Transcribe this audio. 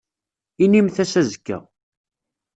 Inimt-as azekka.